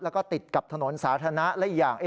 แล้วก็ติดกับถนนสาธารณะและอีกอย่าง